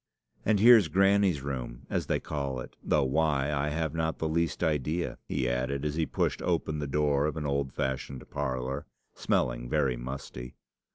And here's Grannie's room, as they call it, though why, I have not the least idea,' he added, as he pushed open the door of an old fashioned parlour, smelling very musty.